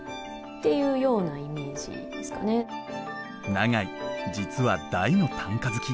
永井実は大の短歌好き。